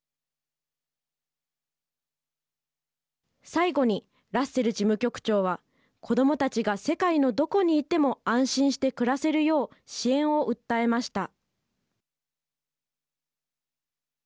最後にラッセル事務局長は子どもたちが世界のどこにいても安心して暮らせるよう支援を訴えました。